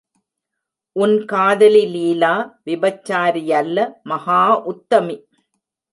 உன் காதலி லீலா விபச்சாரியல்ல மகா உத்தமி.